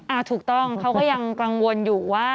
ถูกต้องเขาก็ยังกังวลอยู่ว่า